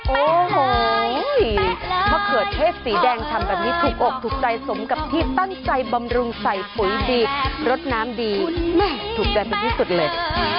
โอ้โหมะเขือเทศสีแดงชำแบบนี้ถูกอกถูกใจสมกับที่ตั้งใจบำรุงใส่ปุ๋ยดีรสน้ำดีถูกใจเป็นที่สุดเลย